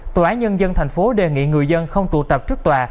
tòa án nhân dân tp hcm đề nghị người dân không tụ tập trước tòa